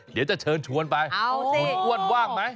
เดี๋ยวจะเชิญชวนไปคุณอ้วนว่างไหม